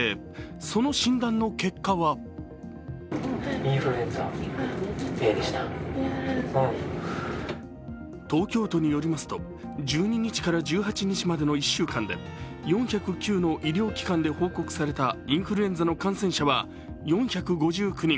その診断の結果は東京都によりますと、１２日から１８日までの１週間で４０９の医療機関で報告されたインフルエンザの感染者は４５９人。